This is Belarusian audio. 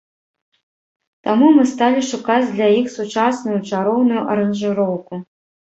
Таму мы сталі шукаць для іх сучасную, чароўную аранжыроўку.